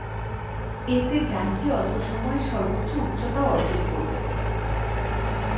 এতে যানটি অল্প সময়ে সর্বোচ্চ উচ্চতা অর্জন করবে।